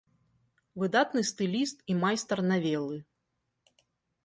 Выдатны стыліст і майстар навелы.